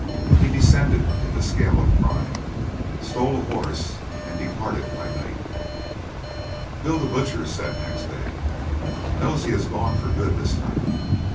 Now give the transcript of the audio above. He descended in the scale of crime, stole a horse, and departed by night. Bill, the butcher, said next day: "Nosey has gone for good this time.